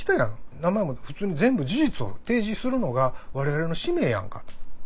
名前も普通に全部事実を提示するのが我々の使命やんか」と。